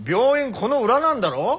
この裏なんだろ？